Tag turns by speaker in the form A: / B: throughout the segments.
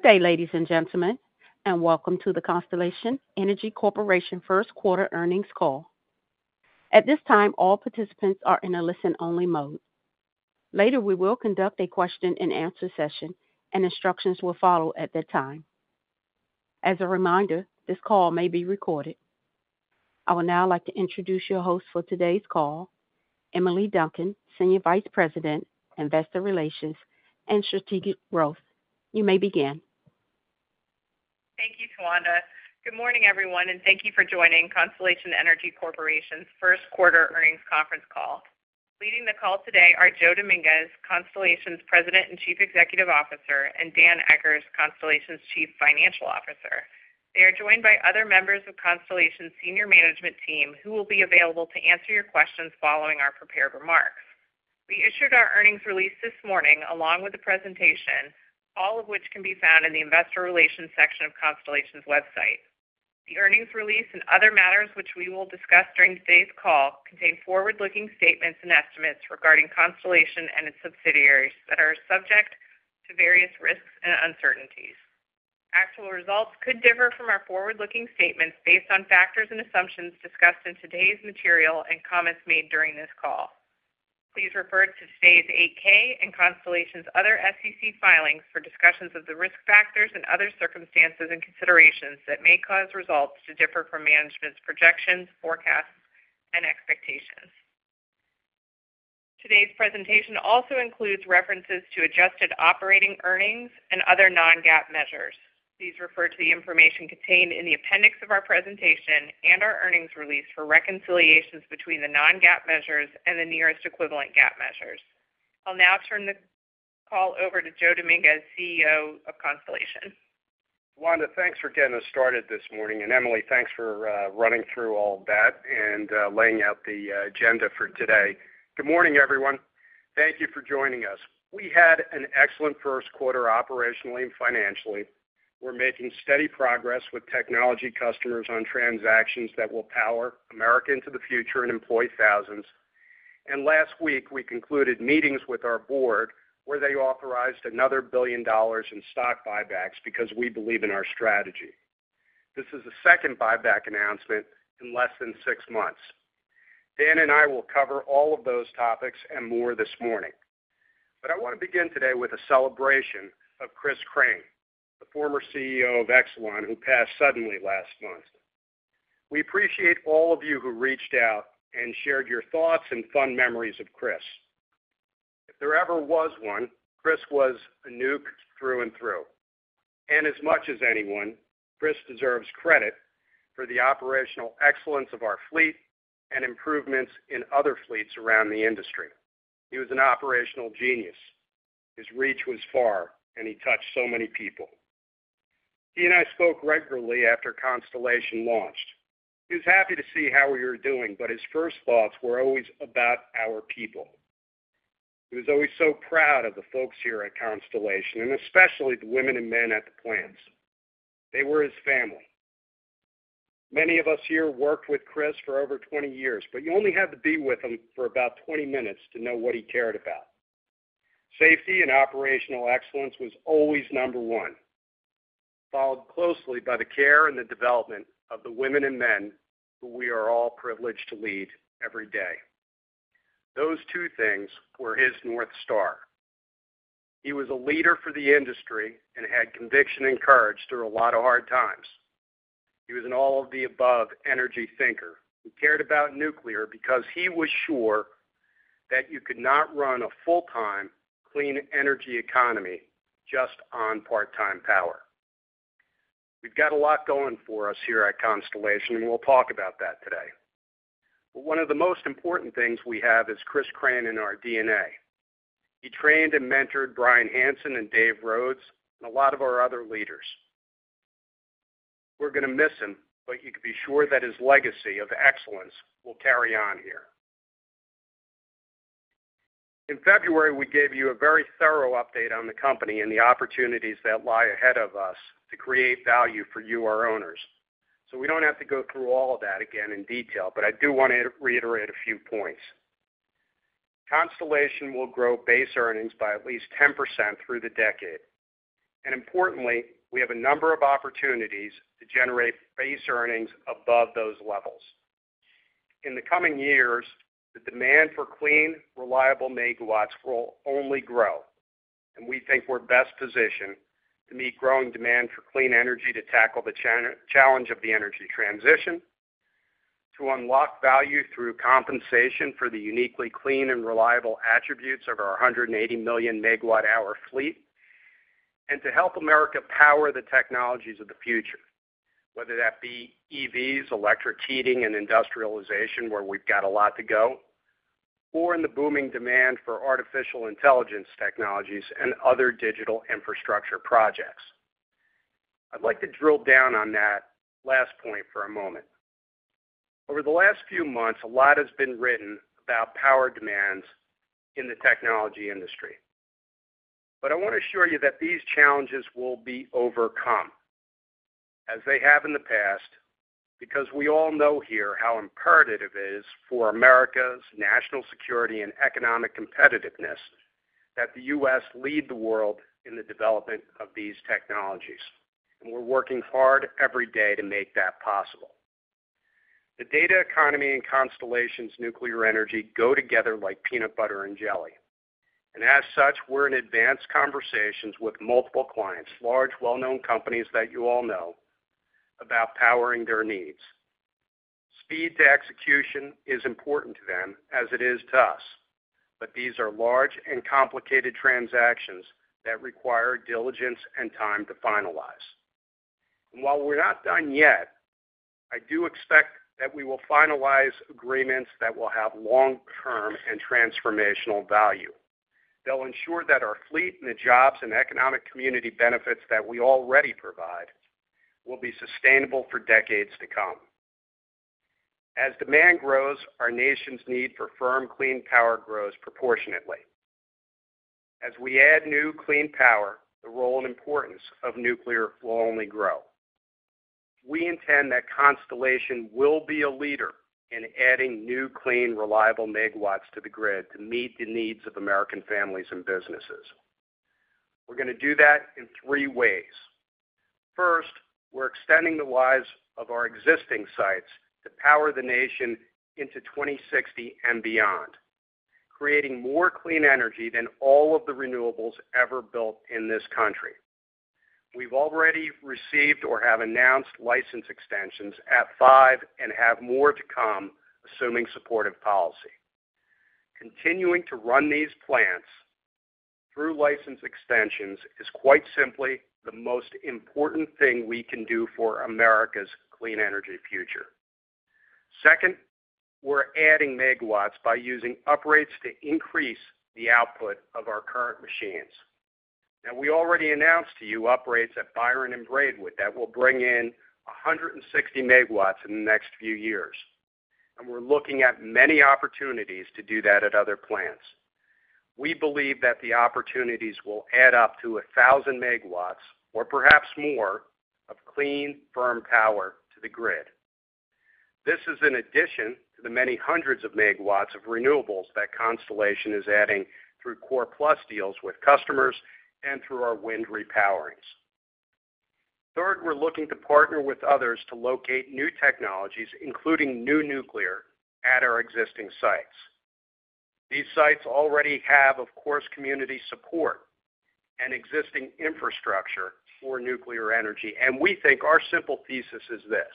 A: Good day, ladies and gentlemen, and welcome to the Constellation Energy Corporation first-quarter earnings call. At this time, all participants are in a listen-only mode. Later, we will conduct a question-and-answer session, and instructions will follow at that time. As a reminder, this call may be recorded. I would now like to introduce your hosts for today's call, Emily Duncan, Senior Vice President, Investor Relations, and Strategic Growth. You may begin.
B: Thank you, Tawanda. Good morning, everyone, and thank you for joining Constellation Energy Corporation's first-quarter earnings conference call. Leading the call today are Joe Dominguez, Constellation's President and Chief Executive Officer, and Dan Eggers, Constellation's Chief Financial Officer. They are joined by other members of Constellation's senior management team who will be available to answer your questions following our prepared remarks. We issued our earnings release this morning along with a presentation, all of which can be found in the Investor Relations section of Constellation's website. The earnings release and other matters which we will discuss during today's call contain forward-looking statements and estimates regarding Constellation and its subsidiaries that are subject to various risks and uncertainties. Actual results could differ from our forward-looking statements based on factors and assumptions discussed in today's material and comments made during this call. Please refer to today's 8-K and Constellation's other SEC filings for discussions of the risk factors and other circumstances and considerations that may cause results to differ from management's projections, forecasts, and expectations. Today's presentation also includes references to adjusted operating earnings and other non-GAAP measures. Please refer to the information contained in the appendix of our presentation and our earnings release for reconciliations between the non-GAAP measures and the nearest equivalent GAAP measures. I'll now turn the call over to Joe Dominguez, CEO of Constellation.
C: Tawanda, thanks for getting us started this morning, and Emily, thanks for running through all that and laying out the agenda for today. Good morning, everyone. Thank you for joining us. We had an excellent first quarter operationally and financially. We're making steady progress with technology customers on transactions that will power America into the future and employ thousands. And last week, we concluded meetings with our board where they authorized another $1 billion in stock buybacks because we believe in our strategy. This is the second buyback announcement in less than six months. Dan and I will cover all of those topics and more this morning. But I want to begin today with a celebration of Chris Crane, the former CEO of Exelon, who passed suddenly last month. We appreciate all of you who reached out and shared your thoughts and fond memories of Chris. If there ever was one, Chris was a nuke through and through. As much as anyone, Chris deserves credit for the operational excellence of our fleet and improvements in other fleets around the industry. He was an operational genius. His reach was far, and he touched so many people. He and I spoke regularly after Constellation launched. He was happy to see how we were doing, but his first thoughts were always about our people. He was always so proud of the folks here at Constellation, and especially the women and men at the plants. They were his family. Many of us here worked with Chris for over 20 years, but you only had to be with him for about 20 minutes to know what he cared about. Safety and operational excellence was always number one, followed closely by the care and the development of the women and men who we are all privileged to lead every day. Those two things were his North Star. He was a leader for the industry and had conviction and courage through a lot of hard times. He was an all-of-the-above energy thinker who cared about nuclear because he was sure that you could not run a full-time, clean energy economy just on part-time power. We've got a lot going for us here at Constellation, and we'll talk about that today. But one of the most important things we have is Chris Crane in our DNA. He trained and mentored Bryan Hanson and Dave Rhoades and a lot of our other leaders. We're going to miss him, but you can be sure that his legacy of excellence will carry on here. In February, we gave you a very thorough update on the company and the opportunities that lie ahead of us to create value for you, our owners. So we don't have to go through all of that again in detail, but I do want to reiterate a few points. Constellation will grow base earnings by at least 10% through the decade. Importantly, we have a number of opportunities to generate base earnings above those levels. In the coming years, the demand for clean, reliable megawatts will only grow. We think we're best positioned to meet growing demand for clean energy to tackle the challenge of the energy transition, to unlock value through compensation for the uniquely clean and reliable attributes of our 180 million MWh fleet, and to help America power the technologies of the future, whether that be EVs, electric heating, and industrialization where we've got a lot to go, or in the booming demand for artificial intelligence technologies and other digital infrastructure projects. I'd like to drill down on that last point for a moment. Over the last few months, a lot has been written about power demands in the technology industry. But I want to assure you that these challenges will be overcome, as they have in the past, because we all know here how imperative it is for America's national security and economic competitiveness that the U.S. Lead the world in the development of these technologies. We're working hard every day to make that possible. The data economy and Constellation's nuclear energy go together like peanut butter and jelly. As such, we're in advanced conversations with multiple clients, large, well-known companies that you all know, about powering their needs. Speed to execution is important to them as it is to us, but these are large and complicated transactions that require diligence and time to finalize. While we're not done yet, I do expect that we will finalize agreements that will have long-term and transformational value. They'll ensure that our fleet and the jobs and economic community benefits that we already provide will be sustainable for decades to come. As demand grows, our nation's need for firm, clean power grows proportionately. As we add new clean power, the role and importance of nuclear will only grow. We intend that Constellation will be a leader in adding new, clean, reliable megawatts to the grid to meet the needs of American families and businesses. We're going to do that in three ways. First, we're extending the lives of our existing sites to power the nation into 2060 and beyond, creating more clean energy than all of the renewables ever built in this country. We've already received or have announced license extensions at five and have more to come, assuming supportive policy. Continuing to run these plants through license extensions is quite simply the most important thing we can do for America's clean energy future. Second, we're adding megawatts by using uprates to increase the output of our current machines. Now, we already announced to you uprates at Byron and Braidwood that will bring in 160 megawatts in the next few years. We're looking at many opportunities to do that at other plants. We believe that the opportunities will add up to 1,000 megawatts or perhaps more of clean, firm power to the grid. This is in addition to the many hundreds of megawatts of renewables that Constellation is adding through CORE+ deals with customers and through our wind repowerings. Third, we're looking to partner with others to locate new technologies, including new nuclear, at our existing sites. These sites already have, of course, community support and existing infrastructure for nuclear energy. We think our simple thesis is this: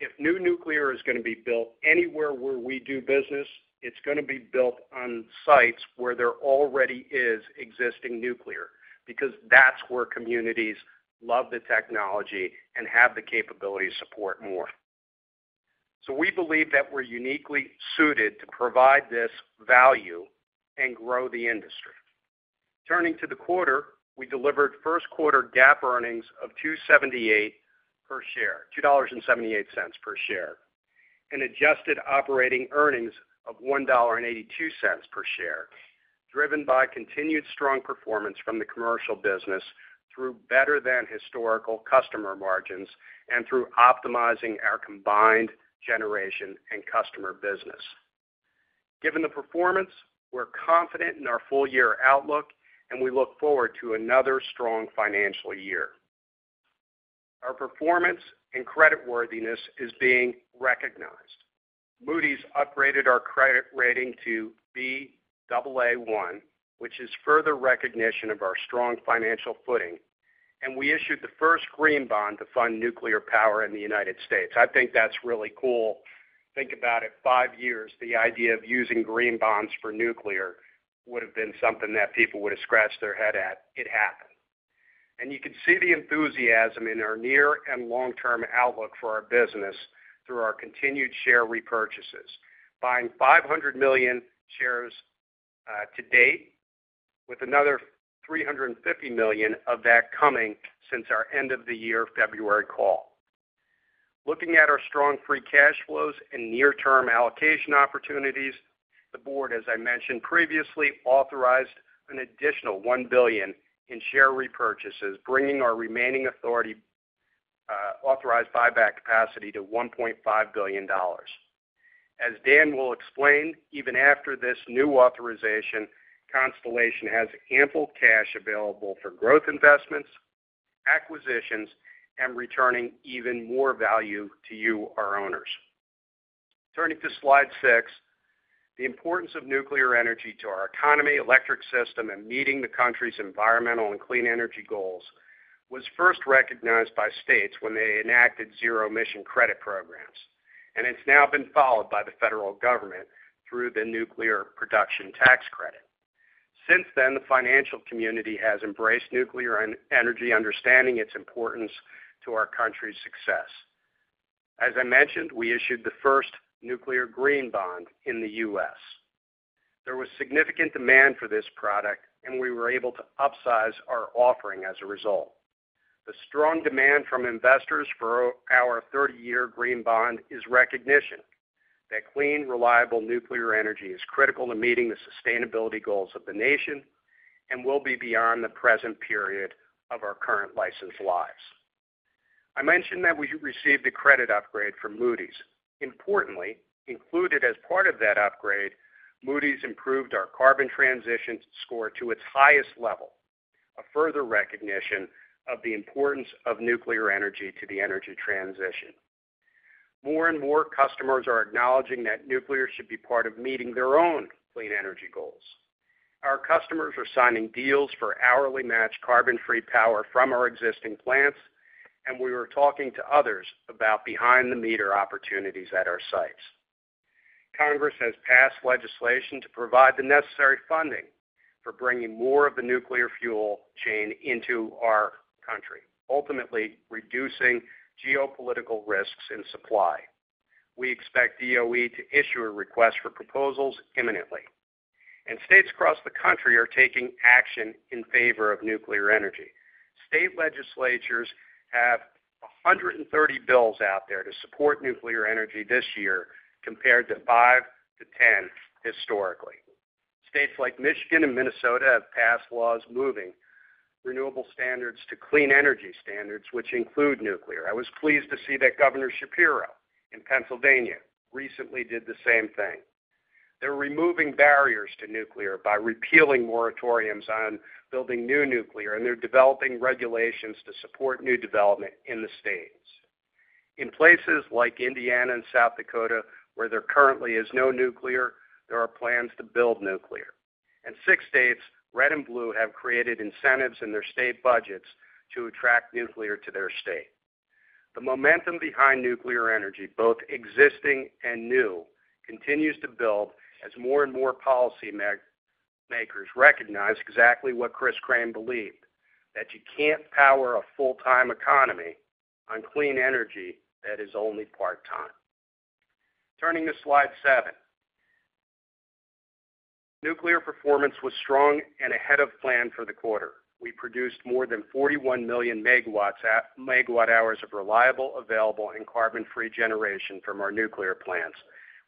C: if new nuclear is going to be built anywhere where we do business, it's going to be built on sites where there already is existing nuclear because that's where communities love the technology and have the capability to support more. So we believe that we're uniquely suited to provide this value and grow the industry. Turning to the quarter, we delivered first-quarter GAAP earnings of $2.78 per share, $2.78 per share, and adjusted operating earnings of $1.82 per share, driven by continued strong performance from the commercial business through better-than-historical customer margins and through optimizing our combined generation and customer business. Given the performance, we're confident in our full-year outlook, and we look forward to another strong financial year. Our performance and creditworthiness is being recognized. Moody's upgraded our credit rating to BAA1, which is further recognition of our strong financial footing. We issued the first green bond to fund nuclear power in the United States. I think that's really cool. Think about it: five years, the idea of using green bonds for nuclear would have been something that people would have scratched their head at. It happened. And you can see the enthusiasm in our near and long-term outlook for our business through our continued share repurchases, buying 500 million shares, to date, with another 350 million of that coming since our end-of-the-year February call. Looking at our strong free cash flows and near-term allocation opportunities, the board, as I mentioned previously, authorized an additional $1 billion in share repurchases, bringing our remaining authorized, authorized buyback capacity to $1.5 billion. As Dan will explain, even after this new authorization, Constellation has ample cash available for growth investments, acquisitions, and returning even more value to you, our owners. Turning to slide 6, the importance of nuclear energy to our economy, electric system, and meeting the country's environmental and clean energy goals was first recognized by states when they enacted zero-emission credit programs. It's now been followed by the federal government through the Nuclear Production Tax Credit. Since then, the financial community has embraced nuclear energy understanding its importance to our country's success. As I mentioned, we issued the first nuclear green bond in the U.S. There was significant demand for this product, and we were able to upsize our offering as a result. The strong demand from investors for our 30-year green bond is recognition that clean, reliable nuclear energy is critical to meeting the sustainability goals of the nation and will be beyond the present period of our current license lives. I mentioned that we received a credit upgrade from Moody's. Importantly, included as part of that upgrade, Moody's improved our carbon transition score to its highest level, a further recognition of the importance of nuclear energy to the energy transition. More and more customers are acknowledging that nuclear should be part of meeting their own clean energy goals. Our customers are signing deals for hourly-matched carbon-free power from our existing plants, and we were talking to others about behind-the-meter opportunities at our sites. Congress has passed legislation to provide the necessary funding for bringing more of the nuclear fuel chain into our country, ultimately reducing geopolitical risks in supply. We expect DOE to issue a request for proposals imminently. States across the country are taking action in favor of nuclear energy. State legislatures have 130 bills out there to support nuclear energy this year compared to 5-10 historically. States like Michigan and Minnesota have passed laws moving renewable standards to clean energy standards, which include nuclear. I was pleased to see that Governor Shapiro in Pennsylvania recently did the same thing. They're removing barriers to nuclear by repealing moratoriums on building new nuclear, and they're developing regulations to support new development in the states. In places like Indiana and South Dakota, where there currently is no nuclear, there are plans to build nuclear. And six states, red and blue, have created incentives in their state budgets to attract nuclear to their state. The momentum behind nuclear energy, both existing and new, continues to build as more and more policymakers recognize exactly what Chris Crane believed: that you can't power a full-time economy on clean energy that is only part-time. Turning to slide seven, nuclear performance was strong and ahead of plan for the quarter. We produced more than 41 million MW of reliable, available, and carbon-free generation from our nuclear plants,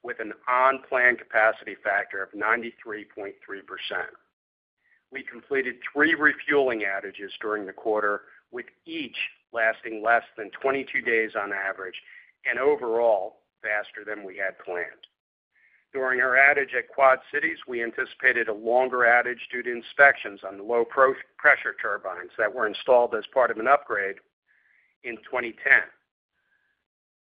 C: with an on-plan capacity factor of 93.3%. We completed three refueling outages during the quarter, with each lasting less than 22 days on average and overall faster than we had planned. During our outage at Quad Cities, we anticipated a longer outage due to inspections on the low-pressure turbines that were installed as part of an upgrade in 2010.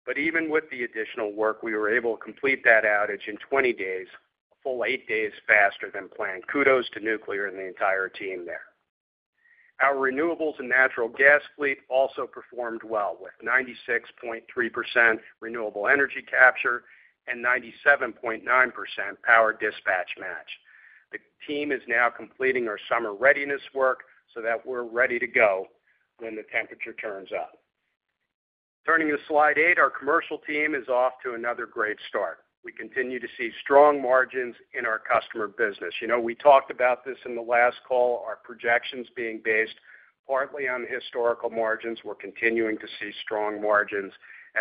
C: But even with the additional work, we were able to complete that outage in 20 days, a full eight days faster than planned. Kudos to nuclear and the entire team there. Our renewables and natural gas fleet also performed well, with 96.3% renewable energy capture and 97.9% power dispatch match. The team is now completing our summer readiness work so that we're ready to go when the temperature turns up. Turning to slide 8, our commercial team is off to another great start. We continue to see strong margins in our customer business. You know, we talked about this in the last call, our projections being based partly on historical margins. We're continuing to see strong margins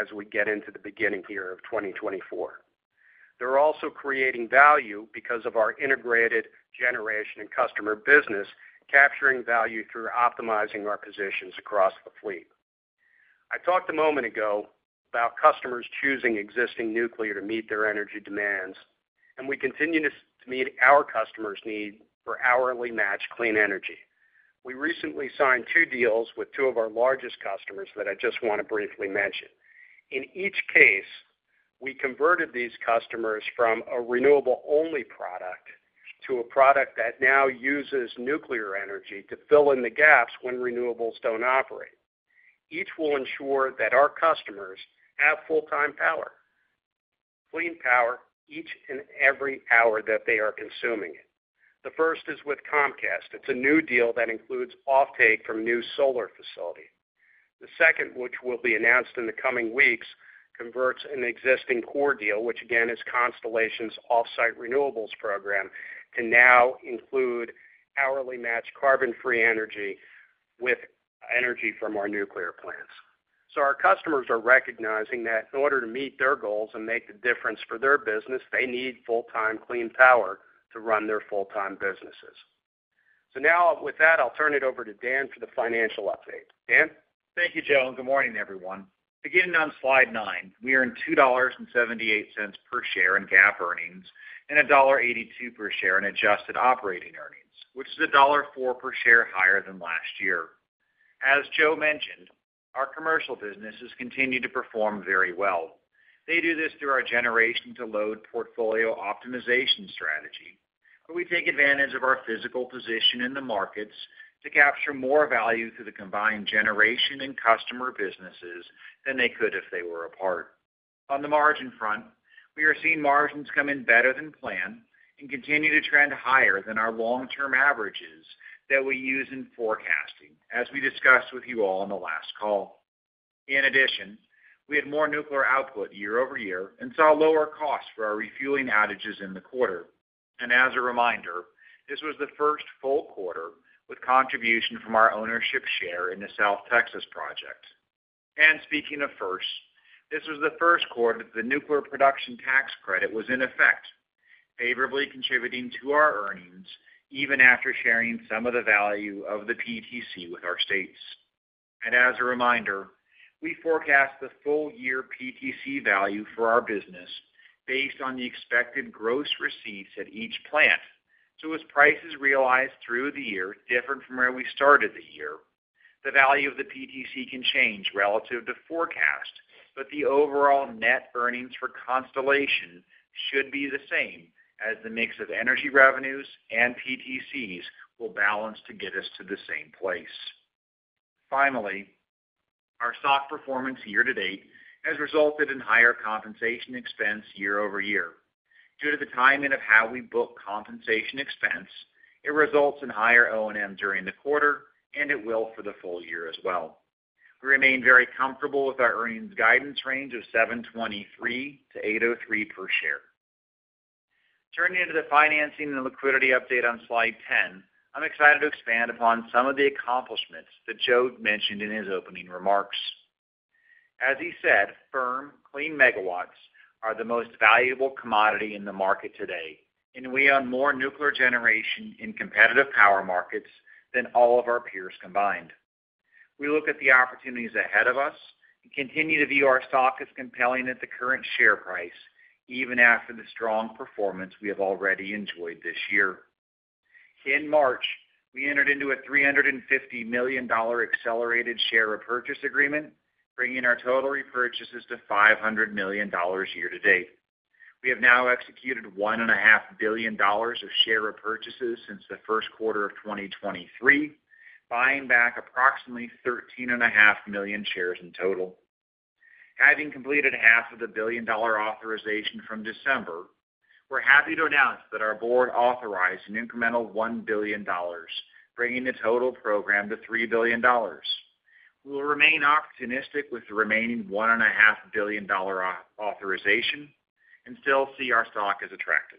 C: as we get into the beginning here of 2024. They're also creating value because of our integrated generation and customer business, capturing value through optimizing our positions across the fleet. I talked a moment ago about customers choosing existing nuclear to meet their energy demands, and we continue to meet our customers' need for hourly-matched clean energy. We recently signed 2 deals with 2 of our largest customers that I just want to briefly mention. In each case, we converted these customers from a renewable-only product to a product that now uses nuclear energy to fill in the gaps when renewables don't operate. Each will ensure that our customers have full-time power, clean power, each and every hour that they are consuming it. The first is with Comcast. It's a new deal that includes offtake from a new solar facility. The second, which will be announced in the coming weeks, converts an existing core deal, which again is Constellation's off-site renewables program, to now include hourly-matched carbon-free energy with energy from our nuclear plants. So our customers are recognizing that in order to meet their goals and make the difference for their business, they need full-time clean power to run their full-time businesses. So now, with that, I'll turn it over to Dan for the financial update. Dan?
D: Thank you, Joe. Good morning, everyone. Beginning on slide nine, we are in $2.78 per share in GAAP earnings and $1.82 per share in adjusted operating earnings, which is $1.04 per share higher than last year. As Joe mentioned, our commercial business has continued to perform very well. They do this through our generation-to-load portfolio optimization strategy. But we take advantage of our physical position in the markets to capture more value through the combined generation and customer businesses than they could if they were apart. On the margin front, we are seeing margins come in better than planned and continue to trend higher than our long-term averages that we use in forecasting, as we discussed with you all in the last call. In addition, we had more nuclear output year-over-year and saw lower costs for our refueling outages in the quarter. As a reminder, this was the first full quarter with contribution from our ownership share in the South Texas Project. Speaking of first, this was the first quarter that the Nuclear Production Tax Credit was in effect, favorably contributing to our earnings even after sharing some of the value of the PTC with our states. As a reminder, we forecast the full-year PTC value for our business based on the expected gross receipts at each plant. As prices realized through the year differ from where we started the year, the value of the PTC can change relative to forecast, but the overall net earnings for Constellation should be the same as the mix of energy revenues and PTCs will balance to get us to the same place. Finally, our stock performance year to date has resulted in higher compensation expense year-over-year. Due to the timing of how we book compensation expense, it results in higher O&M during the quarter, and it will for the full year as well. We remain very comfortable with our earnings guidance range of $7.23-$8.03 per share. Turning into the financing and liquidity update on slide 10, I'm excited to expand upon some of the accomplishments that Joe mentioned in his opening remarks. As he said, firm, clean megawatts are the most valuable commodity in the market today, and we own more nuclear generation in competitive power markets than all of our peers combined. We look at the opportunities ahead of us and continue to view our stock as compelling at the current share price, even after the strong performance we have already enjoyed this year. In March, we entered into a $350 million accelerated share repurchase agreement, bringing our total repurchases to $500 million year to date. We have now executed $1.5 billion of share repurchases since the first quarter of 2023, buying back approximately 13.5 million shares in total. Having completed half of the billion-dollar authorization from December, we're happy to announce that our board authorized an incremental $1 billion, bringing the total program to $3 billion. We will remain opportunistic with the remaining $1.5 billion authorization and still see our stock as attractive.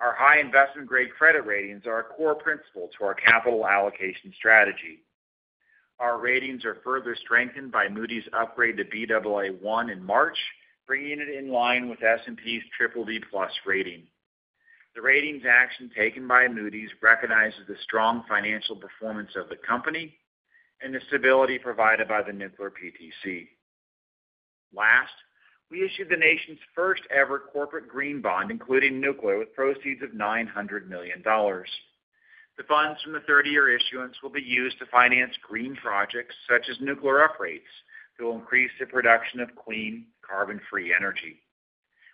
D: Our high investment-grade credit ratings are a core principle to our capital allocation strategy. Our ratings are further strengthened by Moody's' upgrade to BAA1 in March, bringing it in line with S&P's BBB+ rating. The ratings action taken by Moody's recognizes the strong financial performance of the company and the stability provided by the nuclear PTC. Last, we issued the nation's first-ever corporate green bond, including nuclear, with proceeds of $900 million. The funds from the 30-year issuance will be used to finance green projects such as nuclear upgrades that will increase the production of clean, carbon-free energy.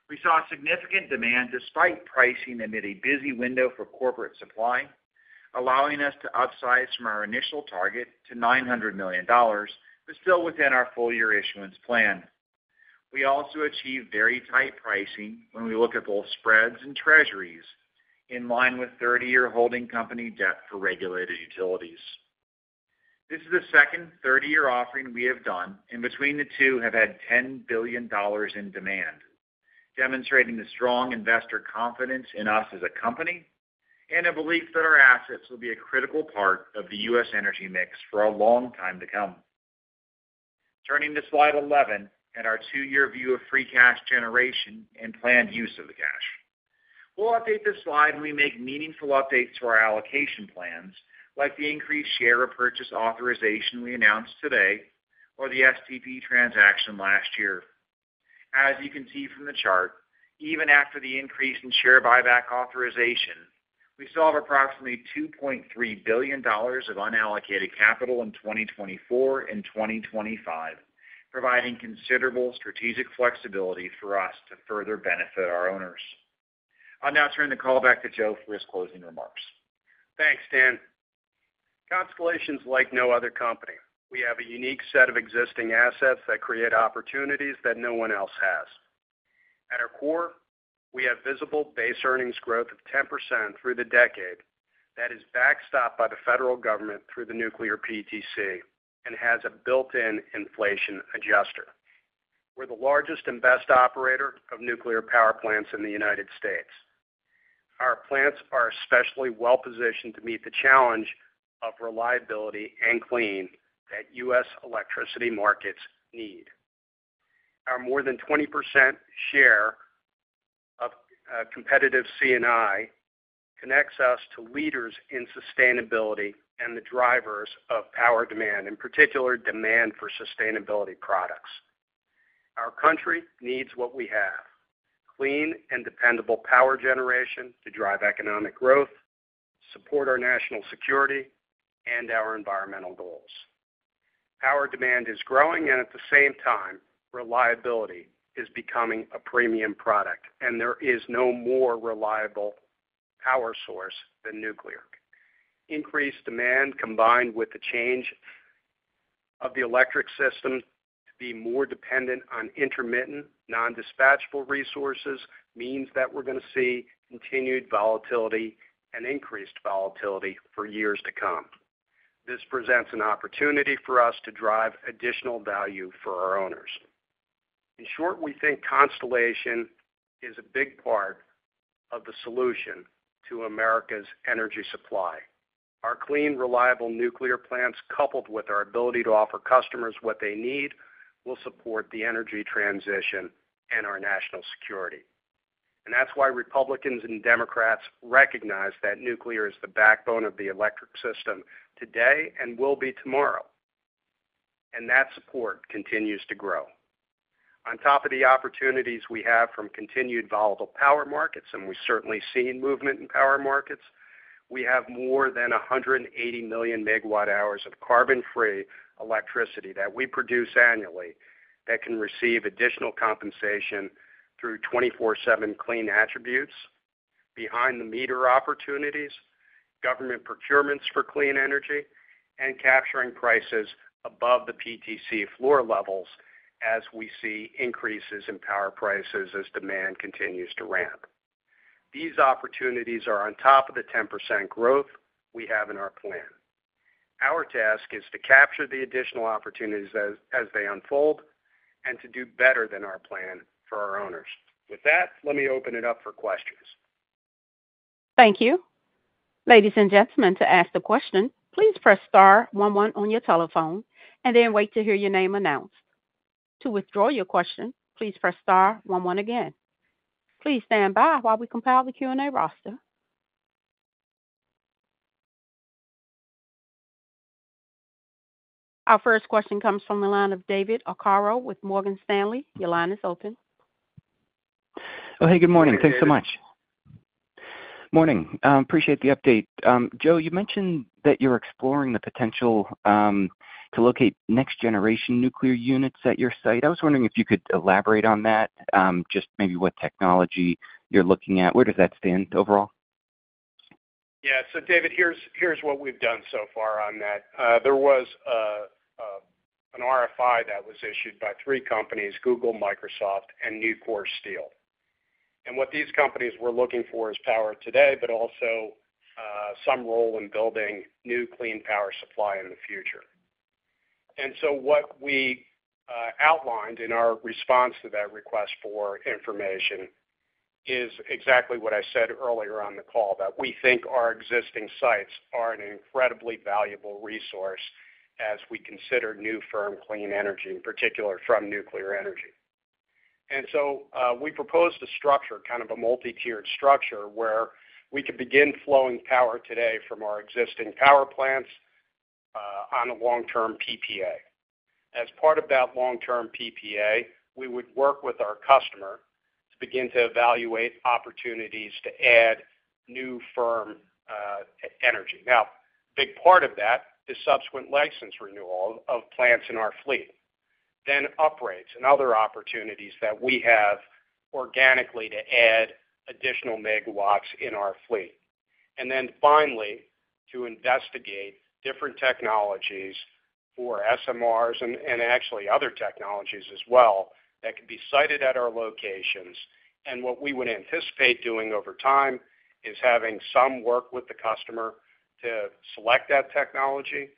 D: We saw significant demand despite pricing amid a busy window for corporate supply, allowing us to upsize from our initial target to $900 million but still within our full-year issuance plan. We also achieved very tight pricing when we look at both spreads and treasuries, in line with 30-year holding company debt for regulated utilities. This is the second 30-year offering we have done, and between the two have had $10 billion in demand, demonstrating the strong investor confidence in us as a company and a belief that our assets will be a critical part of the U.S. energy mix for a long time to come. Turning to slide 11 and our 2-year view of free cash generation and planned use of the cash, we'll update this slide when we make meaningful updates to our allocation plans, like the increased share repurchase authorization we announced today or the STP transaction last year. As you can see from the chart, even after the increase in share buyback authorization, we solve approximately $2.3 billion of unallocated capital in 2024 and 2025, providing considerable strategic flexibility for us to further benefit our owners. I'll now turn the call back to Joe for his closing remarks.
C: Thanks, Dan. Constellation's like no other company. We have a unique set of existing assets that create opportunities that no one else has. At our core, we have visible base earnings growth of 10% through the decade that is backstopped by the federal government through the nuclear PTC and has a built-in inflation adjuster. We're the largest and best operator of nuclear power plants in the United States. Our plants are especially well-positioned to meet the challenge of reliability and clean that U.S. electricity markets need. Our more than 20% share of competitive C&I connects us to leaders in sustainability and the drivers of power demand, in particular, demand for sustainability products. Our country needs what we have: clean and dependable power generation to drive economic growth, support our national security, and our environmental goals. Power demand is growing, and at the same time, reliability is becoming a premium product, and there is no more reliable power source than nuclear. Increased demand combined with the change of the electric system to be more dependent on intermittent, non-dispatchable resources means that we're going to see continued volatility and increased volatility for years to come. This presents an opportunity for us to drive additional value for our owners. In short, we think Constellation is a big part of the solution to America's energy supply. Our clean, reliable nuclear plants, coupled with our ability to offer customers what they need, will support the energy transition and our national security. That's why Republicans and Democrats recognize that nuclear is the backbone of the electric system today and will be tomorrow. That support continues to grow. On top of the opportunities we have from continued volatile power markets, and we've certainly seen movement in power markets, we have more than 180 million megawatt-hours of carbon-free electricity that we produce annually that can receive additional compensation through 24/7 clean attributes, behind-the-meter opportunities, government procurements for clean energy, and capturing prices above the PTC floor levels as we see increases in power prices as demand continues to ramp. These opportunities are on top of the 10% growth we have in our plan. Our task is to capture the additional opportunities as they unfold and to do better than our plan for our owners. With that, let me open it up for questions.
A: Thank you. Ladies and gentlemen, to ask a question, please press star 11 on your telephone and then wait to hear your name announced. To withdraw your question, please press star 11 again. Please stand by while we compile the Q&A roster. Our first question comes from the line of David Arcaro with Morgan Stanley. Your line is open.
E: Oh, hey. Good morning. Thanks so much. Morning. Appreciate the update. Joe, you mentioned that you're exploring the potential to locate next-generation nuclear units at your site. I was wondering if you could elaborate on that, just maybe what technology you're looking at. Where does that stand overall?
C: Yeah. So, David, here's what we've done so far on that. There was an RFI that was issued by three companies: Google, Microsoft, and Nucor Steel. And what these companies were looking for is power today but also some role in building new clean power supply in the future. And so what we outlined in our response to that request for information is exactly what I said earlier on the call, that we think our existing sites are an incredibly valuable resource as we consider new firm, clean energy, in particular, from nuclear energy. And so we proposed a structure, kind of a multi-tiered structure, where we could begin flowing power today from our existing power plants on a long-term PPA. As part of that long-term PPA, we would work with our customer to begin to evaluate opportunities to add new firm energy. Now, a big part of that is subsequent license renewal of plants in our fleet, then upgrades and other opportunities that we have organically to add additional megawatts in our fleet. And then finally, to investigate different technologies for SMRs and actually other technologies as well that could be sited at our locations. And what we would anticipate doing over time is having some work with the customer to select that technology.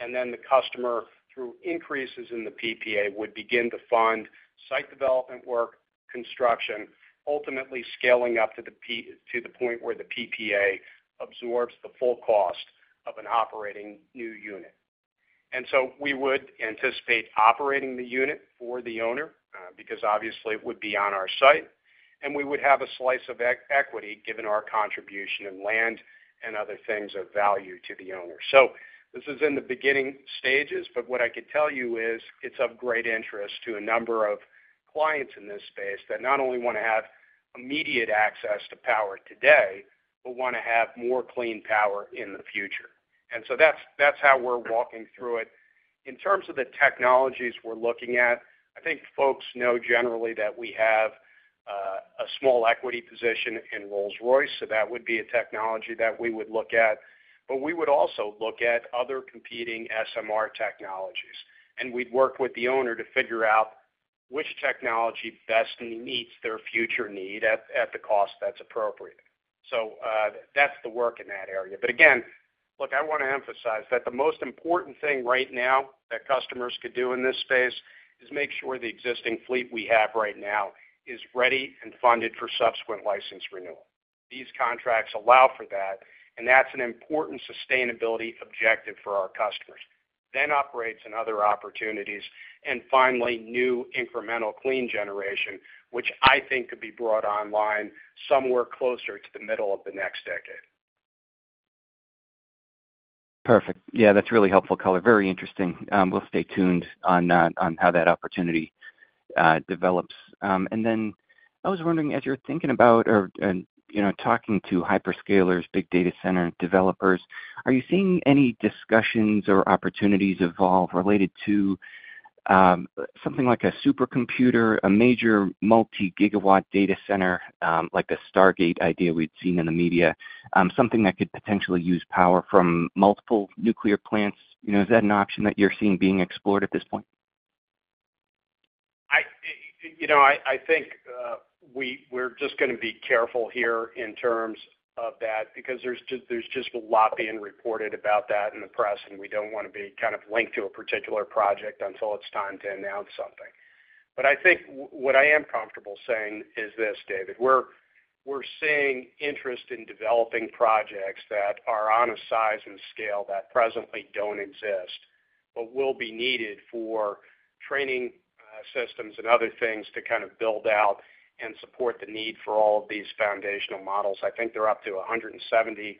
C: And then the customer, through increases in the PPA, would begin to fund site development work, construction, ultimately scaling up to the point where the PPA absorbs the full cost of an operating new unit. And so we would anticipate operating the unit for the owner because, obviously, it would be on our site. And we would have a slice of equity given our contribution in land and other things of value to the owner. So this is in the beginning stages, but what I could tell you is it's of great interest to a number of clients in this space that not only want to have immediate access to power today but want to have more clean power in the future. And so that's how we're walking through it. In terms of the technologies we're looking at, I think folks know generally that we have a small equity position in Rolls-Royce, so that would be a technology that we would look at. But we would also look at other competing SMR technologies. And we'd work with the owner to figure out which technology best meets their future need at the cost that's appropriate. So that's the work in that area. But again, look, I want to emphasize that the most important thing right now that customers could do in this space is make sure the existing fleet we have right now is ready and funded for subsequent license renewal. These contracts allow for that, and that's an important sustainability objective for our customers. Then upgrades and other opportunities. And finally, new incremental clean generation, which I think could be brought online somewhere closer to the middle of the next decade.
E: Perfect. Yeah, that's really helpful color. Very interesting. We'll stay tuned on how that opportunity develops. And then I was wondering, as you're thinking about or talking to hyperscalers, big data center developers, are you seeing any discussions or opportunities evolve related to something like a supercomputer, a major multi-gigawatt data center like the Stargate idea we'd seen in the media, something that could potentially use power from multiple nuclear plants? Is that an option that you're seeing being explored at this point?
C: I think we're just going to be careful here in terms of that because there's just a lot being reported about that in the press, and we don't want to be kind of linked to a particular project until it's time to announce something. But I think what I am comfortable saying is this, David: we're seeing interest in developing projects that are on a size and scale that presently don't exist but will be needed for training systems and other things to kind of build out and support the need for all of these foundational models. I think there are up to 170+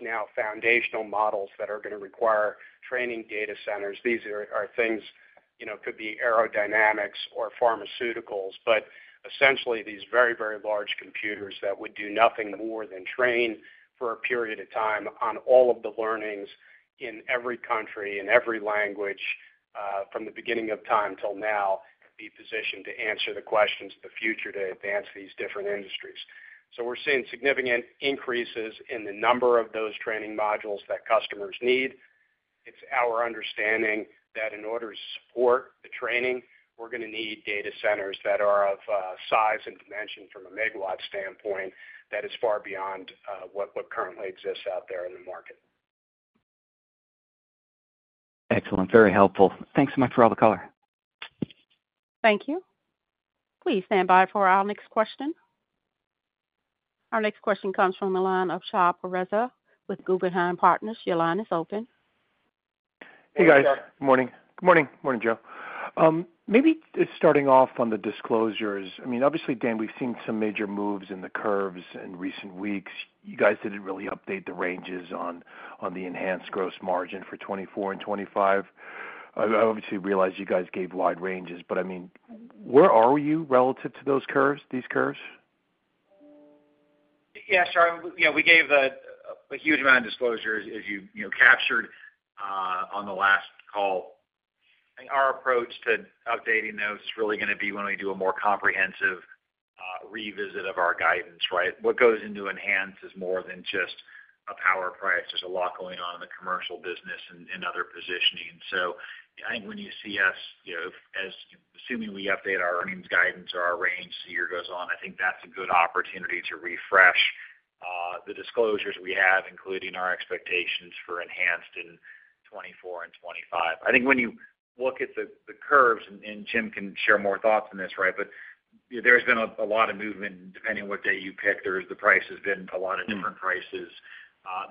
C: now foundational models that are going to require training data centers. These are things could be aerodynamics or pharmaceuticals, but essentially, these very, very large computers that would do nothing more than train for a period of time on all of the learnings in every country, in every language from the beginning of time till now, be positioned to answer the questions of the future to advance these different industries. So we're seeing significant increases in the number of those training modules that customers need. It's our understanding that in order to support the training, we're going to need data centers that are of size and dimension from a megawatt standpoint that is far beyond what currently exists out there in the market.
E: Excellent. Very helpful. Thanks so much for all the color.
A: Thank you. Please stand by for our next question. Our next question comes from the line of Shahriar Pourreza with Guggenheim Partners. Your line is open.
F: Hey, guys. Good morning.
C: Good morning.
F: Good morning, Joe. Maybe starting off on the disclosures, I mean, obviously, Dan, we've seen some major moves in the curves in recent weeks. You guys didn't really update the ranges on the enhanced gross margin for 2024 and 2025. I obviously realize you guys gave wide ranges, but I mean, where are you relative to these curves?
D: Yeah, sure. Yeah, we gave a huge amount of disclosures, as you captured on the last call. I think our approach to updating those is really going to be when we do a more comprehensive revisit of our guidance, right? What goes into enhance is more than just a power price. There's a lot going on in the commercial business and other positioning. So I think when you see us, assuming we update our earnings guidance or our range as the year goes on, I think that's a good opportunity to refresh the disclosures we have, including our expectations for enhanced in 2024 and 2025. I think when you look at the curves - and Jim can share more thoughts on this, right? - but there's been a lot of movement depending on what day you pick. The price has been a lot of different prices.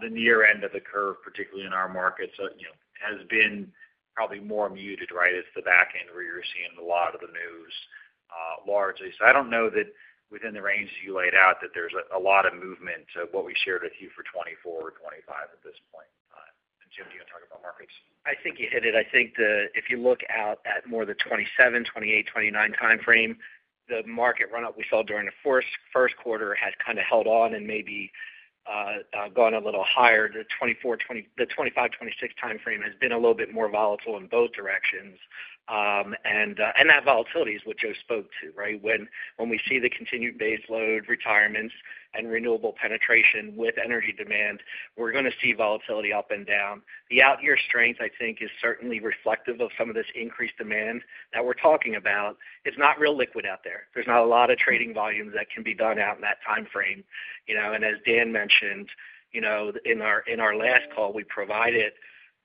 D: The near end of the curve, particularly in our markets, has been probably more muted, right? It's the back end where you're seeing a lot of the news largely. So I don't know that within the range that you laid out that there's a lot of movement to what we shared with you for 2024 or 2025 at this point in time. And Jim, do you want to talk about markets?
G: I think you hit it. I think if you look out at more the 2027, 2028, 2029 timeframe, the market run-up we saw during the first quarter has kind of held on and maybe gone a little higher. The 2025, 2026 timeframe has been a little bit more volatile in both directions. And that volatility is what Joe spoke to, right? When we see the continued base load, retirements, and renewable penetration with energy demand, we're going to see volatility up and down. The out-year strength, I think, is certainly reflective of some of this increased demand that we're talking about. It's not real liquid out there. There's not a lot of trading volumes that can be done out in that timeframe. And as Dan mentioned, in our last call, we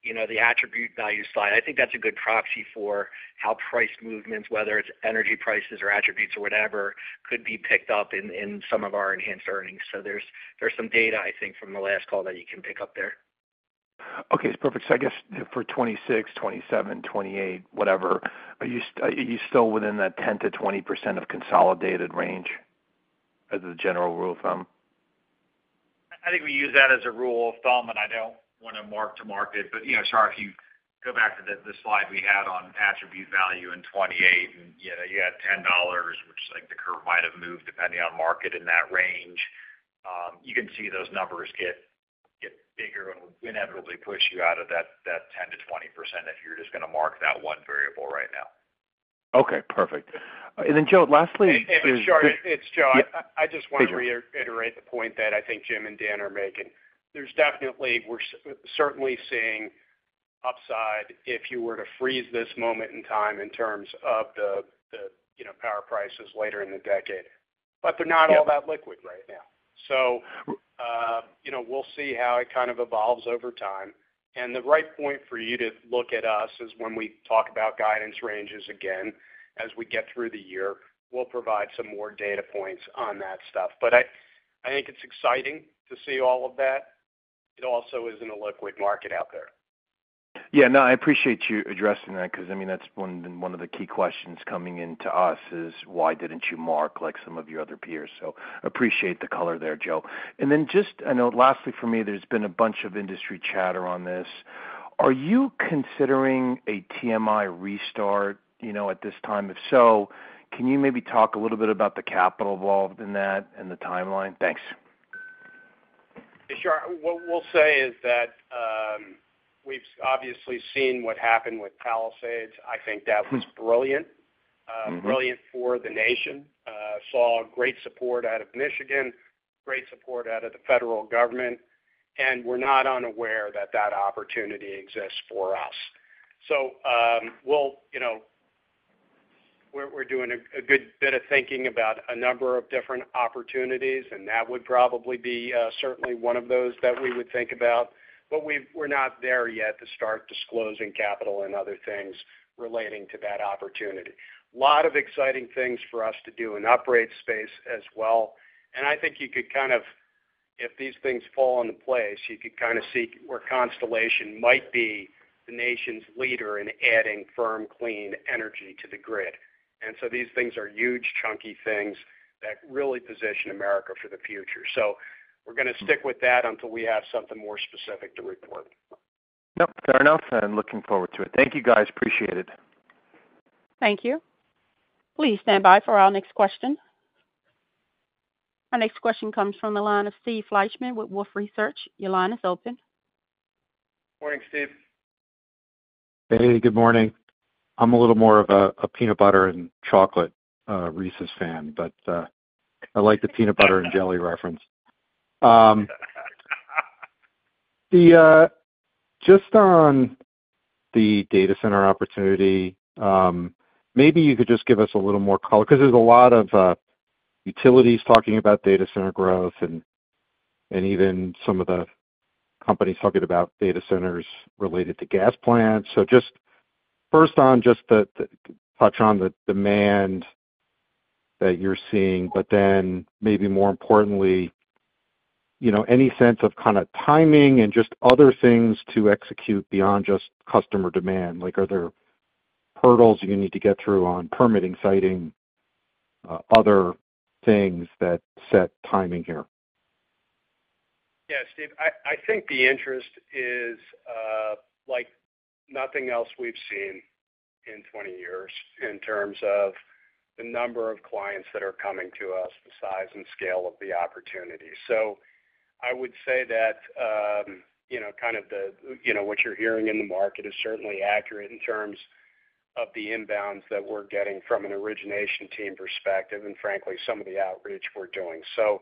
G: provided the attribute value slide. I think that's a good proxy for how price movements, whether it's energy prices or attributes or whatever, could be picked up in some of our enhanced earnings. So there's some data, I think, from the last call that you can pick up there.
F: Okay. It's perfect. So I guess for 2026, 2027, 2028, whatever, are you still within that 10%-20% of consolidated range as the general rule of thumb?
G: I think we use that as a rule of thumb, and I don't want to mark to market it. But sure, if you go back to the slide we had on attribute value in 2028, and you had $10, which the curve might have moved depending on market in that range, you can see those numbers get bigger and inevitably push you out of that 10%-20% if you're just going to mark that one variable right now. Okay. Perfect. And then, Joe, lastly is and sure.
C: It's Joe. I just want to reiterate the point that I think Jim and Dan are making. We're certainly seeing upside if you were to freeze this moment in time in terms of the power prices later in the decade. But they're not all that liquid right now. So we'll see how it kind of evolves over time. The right point for you to look at us is when we talk about guidance ranges again as we get through the year. We'll provide some more data points on that stuff. But I think it's exciting to see all of that. It also isn't a liquid market out there.
F: Yeah. No, I appreciate you addressing that because, I mean, that's one of the key questions coming in to us is, "Why didn't you mark like some of your other peers?" So appreciate the color there, Joe. And then just I know lastly, for me, there's been a bunch of industry chatter on this. Are you considering a TMI restart at this time? If so, can you maybe talk a little bit about the capital involved in that and the timeline? Thanks.
C: Sure. What we'll say is that we've obviously seen what happened with Palisades. I think that was brilliant, brilliant for the nation. Saw great support out of Michigan, great support out of the federal government. And we're not unaware that that opportunity exists for us. So we're doing a good bit of thinking about a number of different opportunities, and that would probably be certainly one of those that we would think about. But we're not there yet to start disclosing capital and other things relating to that opportunity. A lot of exciting things for us to do in upgrade space as well. And I think you could kind of if these things fall into place, you could kind of see where Constellation might be the nation's leader in adding firm, clean energy to the grid. And so these things are huge, chunky things that really position America for the future. So we're going to stick with that until we have something more specific to report.
F: Yep. Fair enough. And looking forward to it. Thank you, guys. Appreciate it.
A: Thank you. Please stand by for our next question. Our next question comes from the line of Steve Fleischmann with Wolfe Research. Your line is open.
C: Morning, Steve.
H: Hey. Good morning. I'm a little more of a peanut butter and chocolate Reese's fan, but I like the peanut butter and jelly reference. Just on the data center opportunity, maybe you could just give us a little more color because there's a lot of utilities talking about data center growth and even some of the companies talking about data centers related to gas plants. So first on, just to touch on the demand that you're seeing, but then maybe more importantly, any sense of kind of timing and just other things to execute beyond just customer demand? Are there hurdles you need to get through on permitting, siting, other things that set timing here?
C: Yeah, Steve. I think the interest is like nothing else we've seen in 20 years in terms of the number of clients that are coming to us, the size and scale of the opportunity. So I would say that kind of what you're hearing in the market is certainly accurate in terms of the inbounds that we're getting from an origination team perspective and, frankly, some of the outreach we're doing. So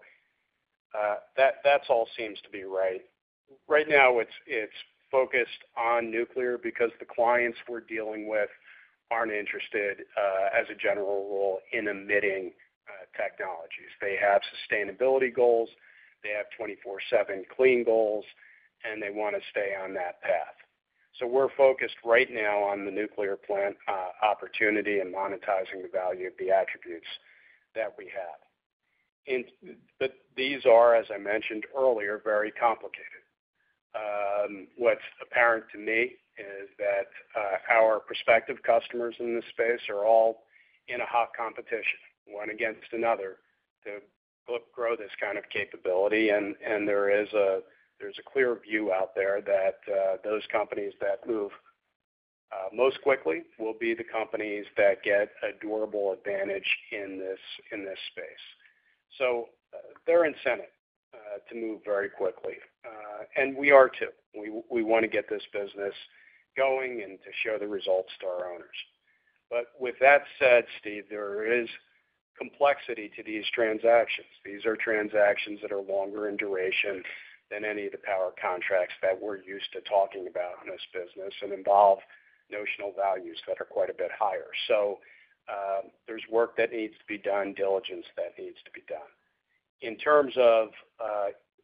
C: that all seems to be right. Right now, it's focused on nuclear because the clients we're dealing with aren't interested, as a general rule, in emitting technologies. They have sustainability goals. They have 24/7 clean goals, and they want to stay on that path. So we're focused right now on the nuclear plant opportunity and monetizing the value of the attributes that we have. But these are, as I mentioned earlier, very complicated. What's apparent to me is that our prospective customers in this space are all in a hot competition one against another to grow this kind of capability. And there is a clear view out there that those companies that move most quickly will be the companies that get a durable advantage in this space. So they're incented to move very quickly. And we are too. We want to get this business going and to show the results to our owners. But with that said, Steve, there is complexity to these transactions. These are transactions that are longer in duration than any of the power contracts that we're used to talking about in this business and involve notional values that are quite a bit higher. So there's work that needs to be done, diligence that needs to be done. In terms of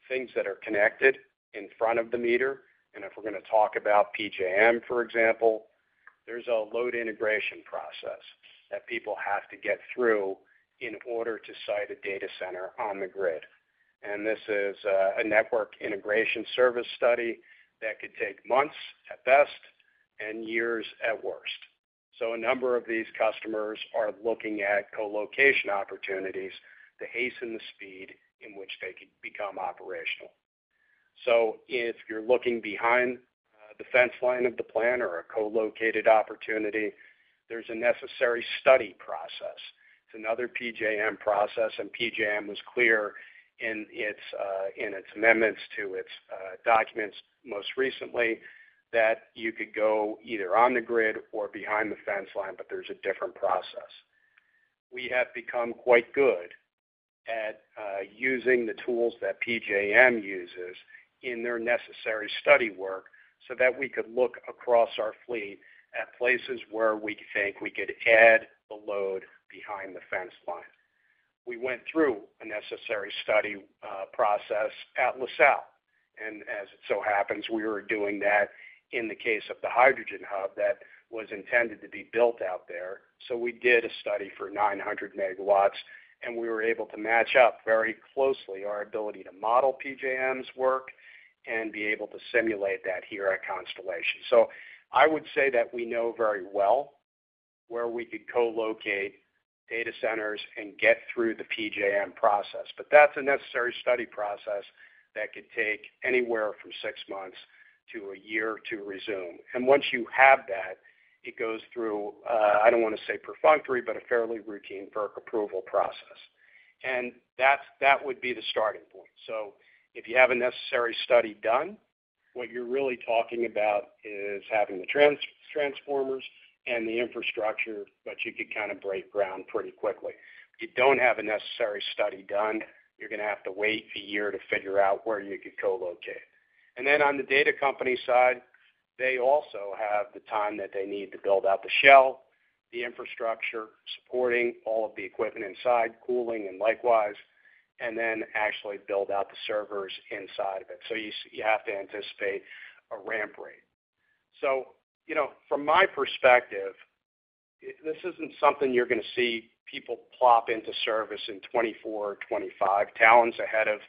C: things that are connected in front of the meter and if we're going to talk about PJM, for example, there's a load integration process that people have to get through in order to site a data center on the grid. And this is a network integration service study that could take months at best and years at worst. So a number of these customers are looking at colocation opportunities to hasten the speed in which they could become operational. So if you're looking behind the fence line of the plant or a colocated opportunity, there's a necessary study process. It's another PJM process. PJM was clear in its amendments to its documents most recently that you could go either on the grid or behind the fence line, but there's a different process. We have become quite good at using the tools that PJM uses in their necessary study work so that we could look across our fleet at places where we think we could add the load behind the fence line. We went through a necessary study process at LaSalle. As it so happens, we were doing that in the case of the hydrogen hub that was intended to be built out there. We did a study for 900 MW, and we were able to match up very closely our ability to model PJM's work and be able to simulate that here at Constellation. So I would say that we know very well where we could colocate data centers and get through the PJM process. But that's a necessary study process that could take anywhere from 6 months to 1 year to resume. And once you have that, it goes through, I don't want to say perfunctory, but a fairly routine FERC approval process. And that would be the starting point. So if you have a necessary study done, what you're really talking about is having the transformers and the infrastructure, but you could kind of break ground pretty quickly. If you don't have a necessary study done, you're going to have to wait 1 year to figure out where you could colocate. Then on the data company side, they also have the time that they need to build out the shell, the infrastructure, supporting all of the equipment inside, cooling and likewise, and then actually build out the servers inside of it. So you have to anticipate a ramp rate. So from my perspective, this isn't something you're going to see people plop into service in 2024, 2025, Talen's ahead of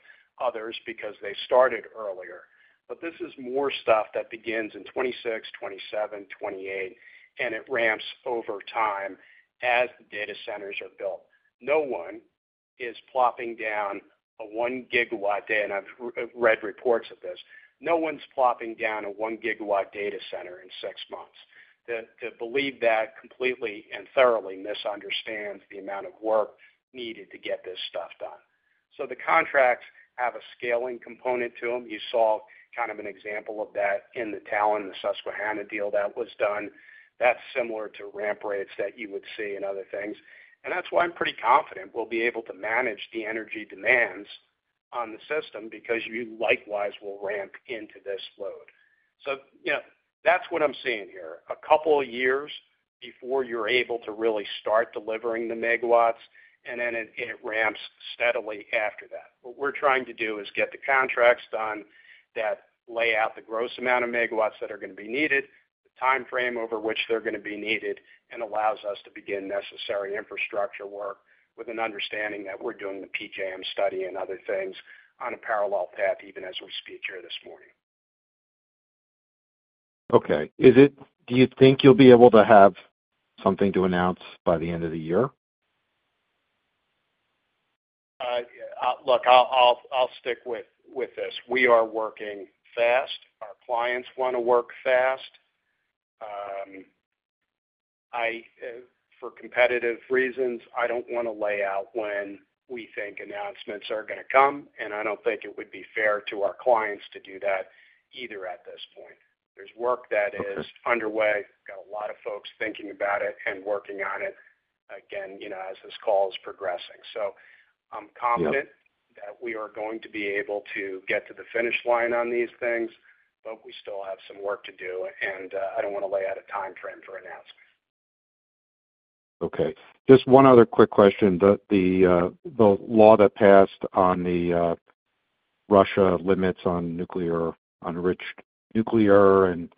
C: others because they started earlier. But this is more stuff that begins in 2026, 2027, 2028, and it ramps over time as the data centers are built. No one is plopping down a 1-gigawatt data - and I've read reports of this - no one's plopping down a 1-gigawatt data center in 6 months. To believe that completely and thoroughly misunderstands the amount of work needed to get this stuff done. So the contracts have a scaling component to them. You saw kind of an example of that in the Talen, the Susquehanna deal that was done. That's similar to ramp rates that you would see in other things. And that's why I'm pretty confident we'll be able to manage the energy demands on the system because you likewise will ramp into this load. So that's what I'm seeing here, a couple of years before you're able to really start delivering the megawatts, and then it ramps steadily after that. What we're trying to do is get the contracts done, that lay out the gross amount of megawatts that are going to be needed, the timeframe over which they're going to be needed, and allows us to begin necessary infrastructure work with an understanding that we're doing the PJM study and other things on a parallel path even as we speak here this morning.
H: Okay. Do you think you'll be able to have something to announce by the end of the year?
C: Look, I'll stick with this. We are working fast. Our clients want to work fast. For competitive reasons, I don't want to lay out when we think announcements are going to come. And I don't think it would be fair to our clients to do that either at this point. There's work that is underway. We've got a lot of folks thinking about it and working on it, again, as this call is progressing. So I'm confident that we are going to be able to get to the finish line on these things, but we still have some work to do. And I don't want to lay out a timeframe for announcements.
H: Okay. Just one other quick question. The law that passed on the Russian limits on nuclear-enriched uranium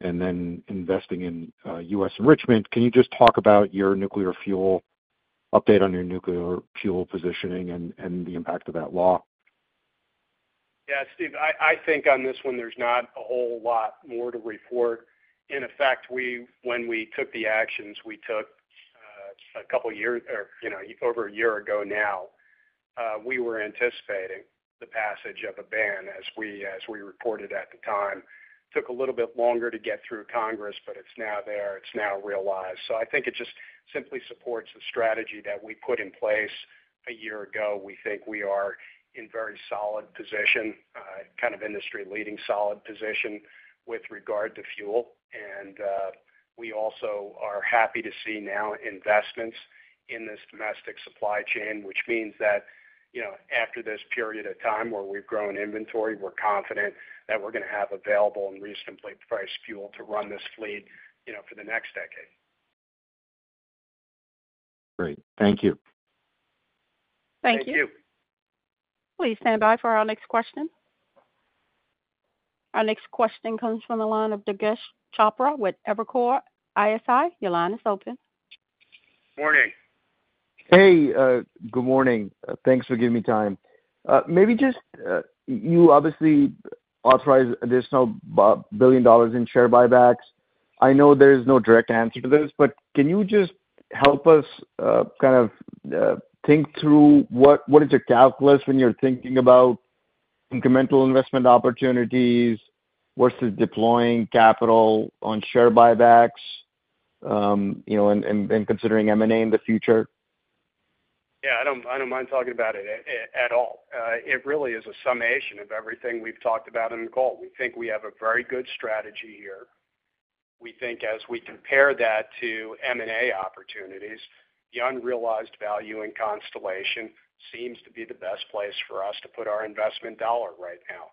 H: and then investing in U.S. enrichment, can you just talk about your nuclear fuel update on your nuclear fuel positioning and the impact of that law?
D: Yeah, Steve. I think on this one, there's not a whole lot more to report. In effect, when we took the actions, we took a couple of years or over a year ago now, we were anticipating the passage of a ban as we reported at the time. Took a little bit longer to get through Congress, but it's now there. It's now realized. So I think it just simply supports the strategy that we put in place a year ago. We think we are in very solid position, kind of industry-leading solid position with regard to fuel. And we also are happy to see now investments in this domestic supply chain, which means that after this period of time where we've grown inventory, we're confident that we're going to have available and reasonably priced fuel to run this fleet for the next decade.
H: Great. Thank you.
D: Thank you.
A: Thank you. Please stand by for our next question. Our next question comes from the line of Durgesh Chopra with Evercore ISI. Your line is open.
C: Morning.
I: Hey. Good morning. Thanks for giving me time. Maybe just you obviously authorize additional $1 billion in share buybacks. I know there's no direct answer to this, but can you just help us kind of think through what is your calculus when you're thinking about incremental investment opportunities versus deploying capital on share buybacks and considering M&A in the future?
C: Yeah. I don't mind talking about it at all. It really is a summation of everything we've talked about in the call. We think we have a very good strategy here. We think as we compare that to M&A opportunities, the unrealized value in Constellation seems to be the best place for us to put our investment dollar right now.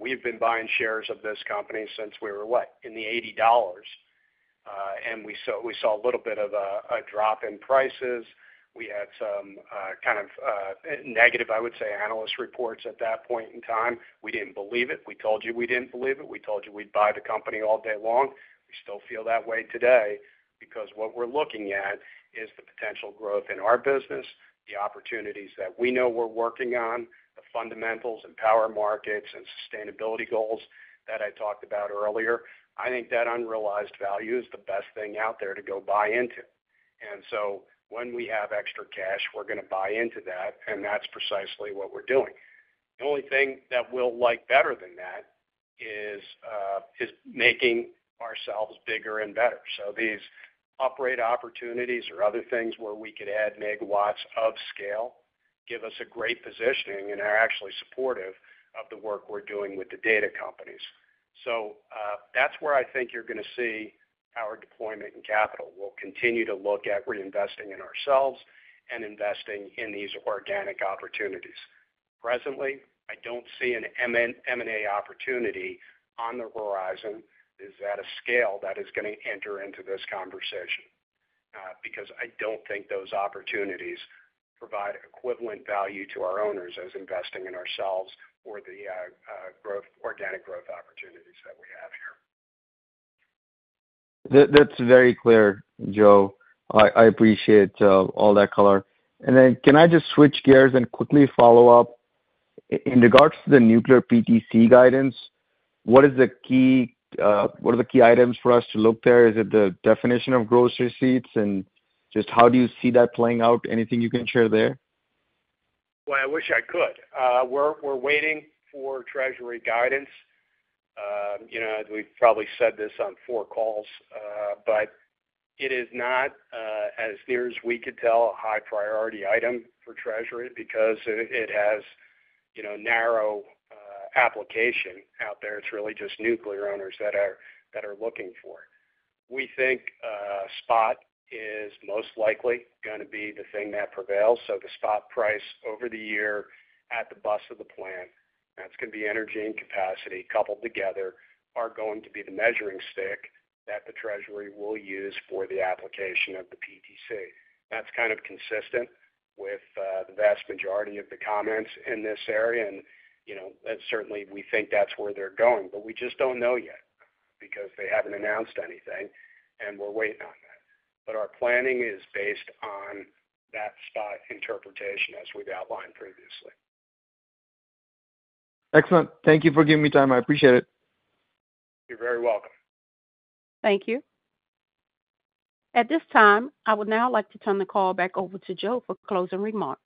C: We've been buying shares of this company since we were, what, in the $80. We saw a little bit of a drop in prices. We had some kind of negative, I would say, analyst reports at that point in time. We didn't believe it. We told you we didn't believe it. We told you we'd buy the company all day long. We still feel that way today because what we're looking at is the potential growth in our business, the opportunities that we know we're working on, the fundamentals and power markets and sustainability goals that I talked about earlier. I think that unrealized value is the best thing out there to go buy into. And so when we have extra cash, we're going to buy into that. And that's precisely what we're doing. The only thing that we'll like better than that is making ourselves bigger and better. So these upgrade opportunities or other things where we could add megawatts of scale give us a great positioning and are actually supportive of the work we're doing with the data companies. So that's where I think you're going to see our deployment and capital. We'll continue to look at reinvesting in ourselves and investing in these organic opportunities. Presently, I don't see an M&A opportunity on the horizon that is at a scale that is going to enter into this conversation because I don't think those opportunities provide equivalent value to our owners as investing in ourselves or the organic growth opportunities that we have here.
I: That's very clear, Joe. I appreciate all that color. And then can I just switch gears and quickly follow up? In regards to the nuclear PTC guidance, what are the key items for us to look there? Is it the definition of gross receipts? And just how do you see that playing out? Anything you can share there?
C: Well, I wish I could. We're waiting for Treasury guidance. We've probably said this on 4 calls, but it is not, as near as we could tell, a high-priority item for Treasury because it has narrow application out there. It's really just nuclear owners that are looking for it. We think spot is most likely going to be the thing that prevails. So the spot price over the year at the bus of the plant, that's going to be energy and capacity coupled together, are going to be the measuring stick that the Treasury will use for the application of the PTC. That's kind of consistent with the vast majority of the comments in this area. And certainly, we think that's where they're going, but we just don't know yet because they haven't announced anything. And we're waiting on that. But our planning is based on that spot interpretation as we've outlined previously.
I: Excellent. Thank you for giving me time. I appreciate it.
C: You're very welcome.
A: Thank you. At this time, I would now like to turn the call back over to Joe for closing remarks.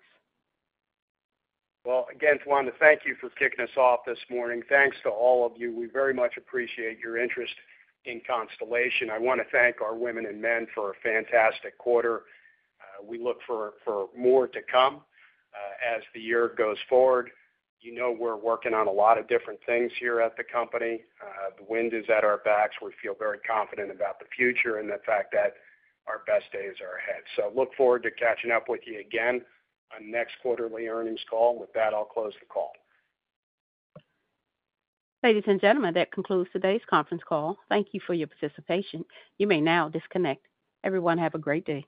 C: Well, again, I want to thank you for kicking us off this morning. Thanks to all of you. We very much appreciate your interest in Constellation. I want to thank our women and men for a fantastic quarter. We look for more to come as the year goes forward. You know we're working on a lot of different things here at the company. The wind is at our backs. We feel very confident about the future and the fact that our best days are ahead. So look forward to catching up with you again on next quarterly earnings call. With that, I'll close the call.
A: Ladies and gentlemen, that concludes today's conference call. Thank you for your participation. You may now disconnect. Everyone, have a great day.